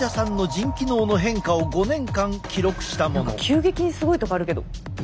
急激にすごいとこあるけど。